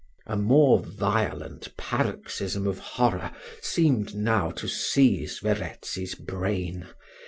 A more violent paroxysm of horror seemed now to seize Verezzi's brain.